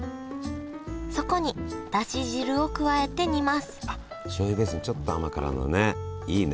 そこにだし汁を加えて煮ますあしょうゆベースにちょっと甘辛のねいいね。